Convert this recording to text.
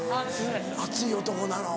熱い男なの。